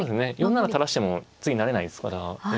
４七垂らしても次成れないですから。